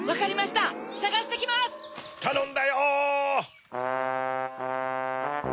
たのんだよ。